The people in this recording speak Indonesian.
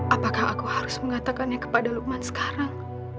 apakah aku harus mengatakannya kepada lukman sekarang